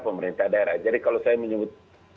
pemerintah daerah jadi kalau saya menyebut